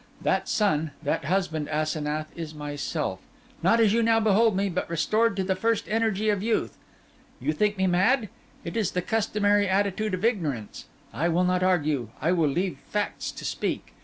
That son—that husband, Asenath, is myself—not as you now behold me, but restored to the first energy of youth. You think me mad? It is the customary attitude of ignorance. I will not argue; I will leave facts to speak.